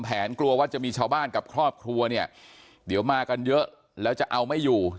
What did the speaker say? กลัวว่าจะมีชาวบ้านกับครอบครัวเนี่ยเดี๋ยวมากันเยอะแล้วจะเอาไม่อยู่